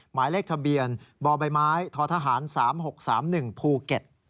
หมายเลขทะเบียนบใบไม้ท้อทหาร๓๖๓๑ภูเก็ต